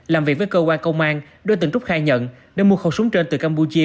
làm việc với cơ quan công an đối tượng trúc khai nhận đã mua khẩu súng trên từ campuchia